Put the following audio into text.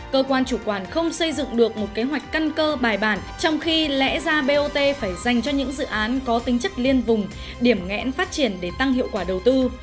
cơ quan chủ quản không xây dựng được một kế hoạch căn cơ bài bản trong khi lẽ ra bot phải dành cho những dự án có tính chất liên vùng điểm ngẽn phát triển để tăng hiệu quả đầu tư